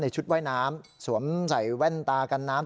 ชุดว่ายน้ำสวมใส่แว่นตากันน้ำ